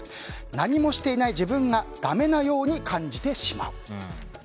何もしていない自分がダメなように感じてしまう。